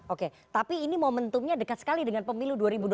oke tapi ini momentumnya dekat sekali dengan pemilu dua ribu dua puluh